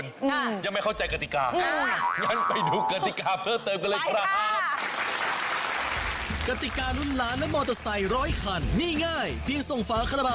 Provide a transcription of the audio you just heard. ยังไม่ได้นะคะโก๊ยอีกค่ะมาละโอ้ยยังไม่ได้ค่ะโก๊ยอีกค่ะ